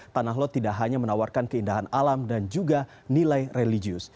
tanah lot tidak hanya menawarkan keindahan alam dan juga nilai religius